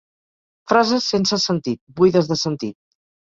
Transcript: Frases sense sentit, buides de sentit.